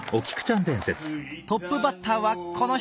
トップバッターはこの人